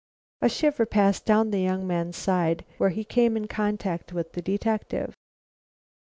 A quiver passed down the young man's side where he came in contact with the detective.